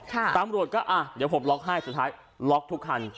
ตำรวจก็อ่ะเดี๋ยวผมล็อกให้สุดท้ายล็อกทุกคัน